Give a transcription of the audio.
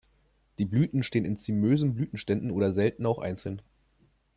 Die Blüten stehen in zymösen Blütenständen oder selten auch einzeln.